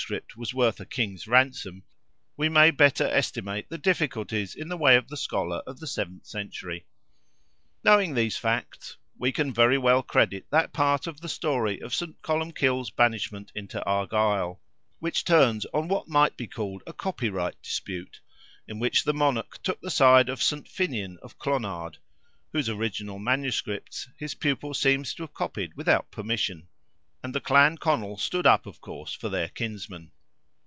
was worth a king's ransom, we may better estimate the difficulties in the way of the scholar of the seventh century. Knowing these facts, we can very well credit that part of the story of St. Columbkill's banishment into Argyle, which turns on what might be called a copyright dispute, in which the monarch took the side of St. Finian of Clonard, (whose original MSS. his pupil seems to have copied without permission,) and the Clan Conal stood up, of course, for their kinsman.